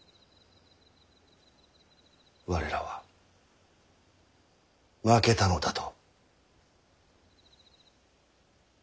我らは負けたのだと。